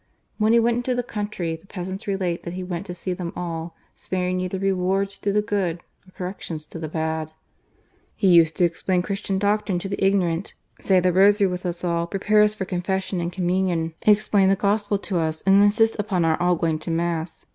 When he went into the country, the peasants relate that he went to see them all, sparing neither rewards to the good nor corrections to the bad. "He used to explain Christian doctrines to the ignorant, say the Rosary with us all, prepare us for Confession and Communion, explain the Gospel to us, and insist upon oor all going to Mass.